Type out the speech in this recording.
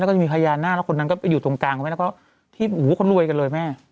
แล้วก็จะมีพญานาคแล้วคนนั้นก็ไปอยู่ตรงกลางคุณแม่แล้วก็ที่หูคนรวยกันเลยแม่